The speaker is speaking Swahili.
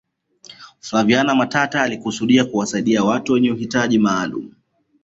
flaviana matata alikusudia kuwasaidia watu wenye uhitaji maalum